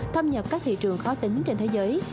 thâm nhập các thị trường khó tính trên thế giới